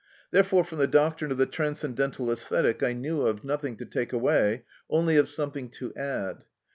Therefore from the doctrine of the Transcendental Æsthetic I knew of nothing to take away, only of something to add.